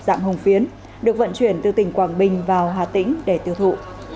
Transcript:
dạng hồng phiến được vận chuyển từ tỉnh quảng bình vào hà tĩnh để tiêu thụ